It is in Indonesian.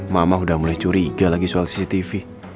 mama udah mulai curiga lagi soal cctv